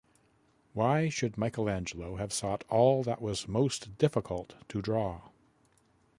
Why should Michelangelo have sought all that was most difficult to draw?